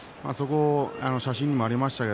写真にもありましたが、